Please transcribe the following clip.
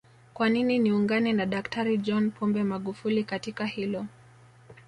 Kwanini niungane na Daktari John Pombe Magufuli katika hilo